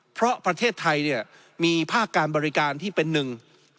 เพราะประเทศไทยเนี่ยมีภาคการบริการที่เป็นหนึ่ง